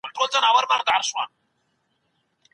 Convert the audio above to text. تاسي ولي د جنګونو په پایلو نه پوهېږئ؟